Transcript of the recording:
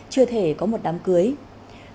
chưa thể có một đám cưỡng